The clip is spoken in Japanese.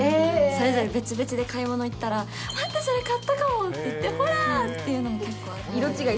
それぞれ別々で買い物に行ったら、待って、それ買ったかも！って言って、ほらーっていうのが結構あって。